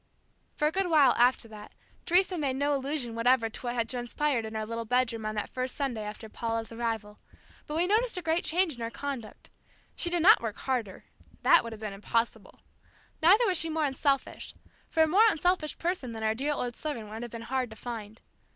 For a good while after that, Teresa made no allusion whatever to what had transpired in our little bedroom on that first Sunday after Paula's arrival; but we noticed a great change in her conduct She did not work harder that would have been impossible neither was she more unselfish, for a more unselfish person than our dear old servant would have been hard to find.